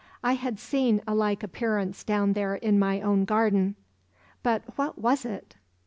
I had seen a like appearance down there in my own garden; but what was it?